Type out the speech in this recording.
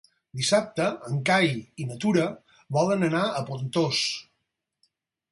Dissabte en Cai i na Tura volen anar a Pontós.